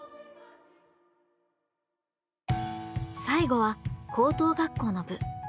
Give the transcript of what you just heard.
最後は高等学校の部。